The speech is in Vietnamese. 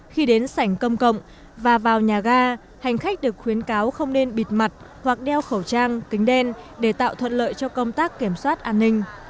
khi đến sảnh công cộng và vào nhà ga hành khách được khuyến cáo không nên bịt mặt hoặc đeo khẩu trang kính đen để tạo thuận lợi cho công tác kiểm soát an ninh